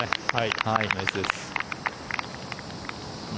ナイスです。